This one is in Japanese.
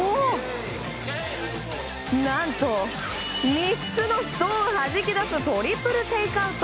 何と、３つのストーンをはじき出すトリプルテイクアウト。